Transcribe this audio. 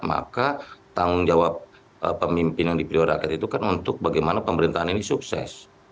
maka tanggung jawab pemimpin yang dipilih oleh rakyat itu kan untuk bagaimana pemerintahan ini sukses